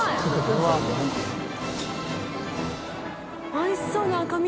おいしそうな赤身。